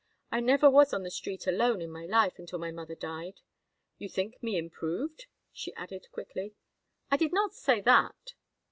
I never was on the street alone in my life until my mother died. You think me improved?" she added, quickly. "I did not say that."